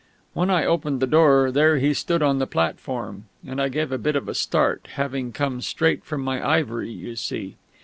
When I opened the door, there he stood on the platform; and I gave a bit of a start, having come straight from my ivory, you see.